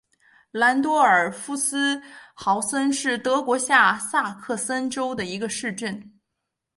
兰多尔夫斯豪森是德国下萨克森州的一个市镇。